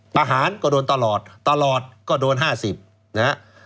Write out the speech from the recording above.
ประหารก็โดนตลอดตลอดก็โดน๕๐นะฮะ